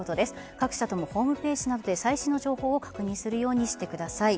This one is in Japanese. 各社とも、ホームページなどで最新の情報を確認するようにしてください。